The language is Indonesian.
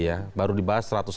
sampai jumpa lagi